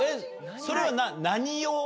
それは何用？